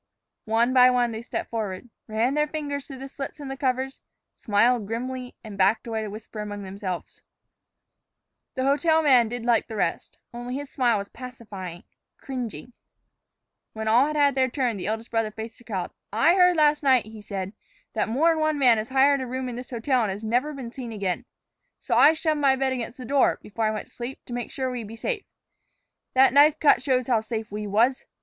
One by one they stepped forward, ran their fingers through the slits in the covers, smiled grimly, and backed away to whisper among themselves. The hotel man did like the rest, only his smile was pacifying, cringing. When all had had their turn, the eldest brother faced the crowd. "I heard last night," he said, "that more 'n one man has hired a room in this hotel and never been seen again. So I shoved my bed against the door, before I went to sleep, to make sure we'd be safe. That knife cut shows how safe we was."